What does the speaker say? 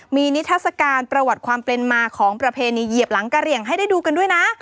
มีนิทัศกาลประวัติความเป็นมาของประเพณีเหยียบหลังกะเหลี่ยงให้ได้ดูกันด้วยนะ